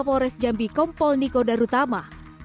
polres jambi kompol nikoda rutama